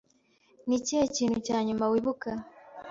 Ni ikihe kintu cya nyuma wibuka?